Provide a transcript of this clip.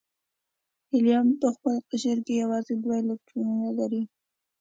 هیلیم په خپل قشر کې یوازې دوه الکترونونه لري.